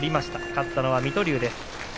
勝ったのは水戸龍です。